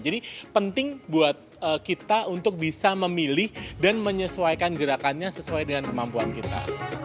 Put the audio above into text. jadi penting buat kita untuk bisa memilih dan menyesuaikan gerakannya sesuai dengan kemampuan kita